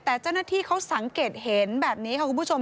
แต่เจ้าหน้าที่เขาสังเกตเห็นแบบนี้ค่ะคุณผู้ชม